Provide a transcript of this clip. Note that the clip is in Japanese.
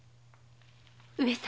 上様。